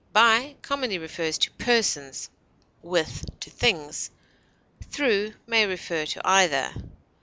By commonly refers to persons; with, to things; through may refer to either.